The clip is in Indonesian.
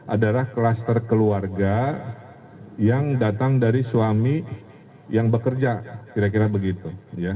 adalah kluster keluarga yang datang dari suami yang bekerja kira kira begitu